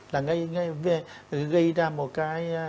là gây ra một cái